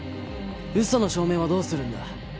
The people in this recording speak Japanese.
嘘の証明はどうするんだ？